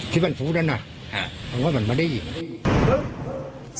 ที่ปัญหาภูมินั้นผมว่ามันไม่ได้ยิน